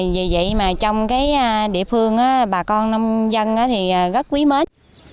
vì vậy mà trong cái địa phương bà con nông dân thì rất quý mến